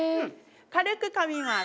軽くかみます。